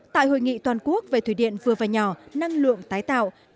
tại hội nghị toàn quốc về thủy điện vừa và nhỏ năng lượng tái tạo